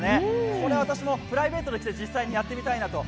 これは私もプレイベートで来て実際にやってみたいなと。